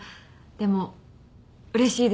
でもうれしいです。